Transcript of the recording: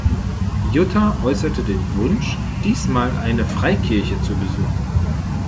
Jutta äußerte den Wunsch, diesmal eine Freikirche zu besuchen.